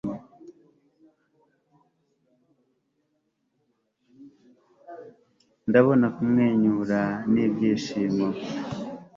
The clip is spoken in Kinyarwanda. ndabona kumwenyura n'ibyishimo